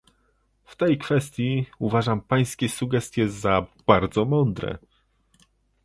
W tej kwestii, uważam pańskie sugestie za bardzo mądre